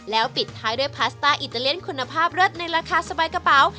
แล้วปิดท้ายด้วยพาสต้าอิตาเลียนคุณภาพเลิศในราคาสบายกระเป๋า